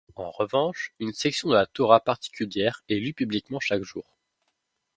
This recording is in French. En revanche, une section de la Torah particulière est lue publiquement chaque jour.